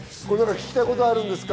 聞きたいことあるんですか？